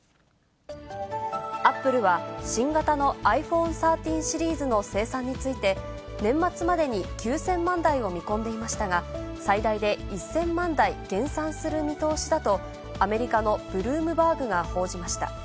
アップルは新型のｉＰｈｏｎｅ１３シリーズの生産について、年末までに９０００万台を見込んでいましたが、最大で１０００万台減産する見通しだと、アメリカのブルームバーグが報じました。